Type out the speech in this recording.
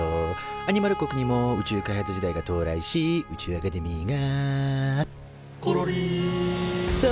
アニマル国にも宇宙開発時代が到来し宇宙アカデミーが「ころりーん」と誕生。